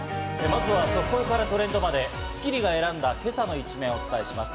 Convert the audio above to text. まずは速報からトレンドまで『スッキリ』が選んだ今朝の一面をお伝えします。